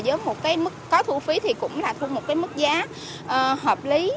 với một cái mức có thu phí thì cũng là thu một cái mức giá hợp lý